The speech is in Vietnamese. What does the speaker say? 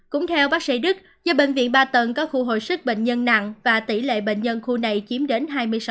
cũng theo bác sĩ đức do bệnh viện ba tầng có khu hồi sức bệnh nhân nặng và tỷ lệ bệnh nhân khu này chiếm đến hai mươi sáu